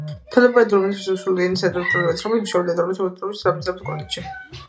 თავდაპირველად, ლოტმანი რუსული ენისა და ლიტერატურის მასწავლებლად მუშაობდა ტარტუს მასწავლებელთა გადამზადების კოლეჯში.